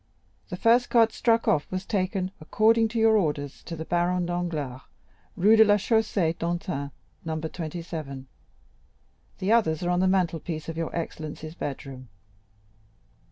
The first card struck off was taken, according to your orders, to the Baron Danglars, Rue de la Chaussée d'Antin, No. 7; the others are on the mantle piece of your excellency's bedroom."